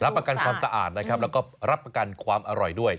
ประกันความสะอาดนะครับแล้วก็รับประกันความอร่อยด้วย